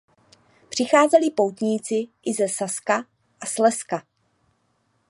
Přicházeli poutníci i ze Saska a Slezska.